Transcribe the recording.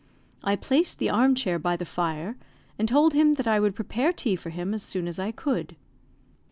I placed the arm chair by the fire, and told him that I would prepare tea for him as soon as I could.